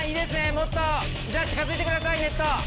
もっと近づいてくださいネット。